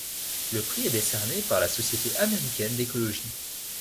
Le prix est décerné par la Société américaine d'écologie.